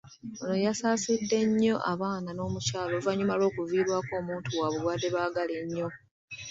Ono yasaasidde nnyo abaana n'omukyala olw'okuviirwako omuntu waabwe gwebabadde baagala ennyo.